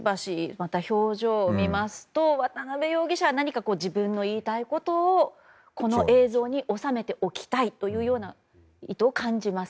また、表情を見ますと渡邉容疑者は何か自分の言いたいことをこの映像に収めておきたいという意図を感じます。